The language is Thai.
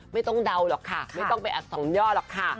ไม่ต้องเดาหรอกค่ะไม่ต้องไปอัดส่องยอดหรอกค่ะ